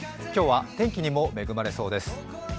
今日は天気にも恵まれそうです。